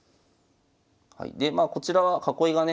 でまあこちらは囲いがね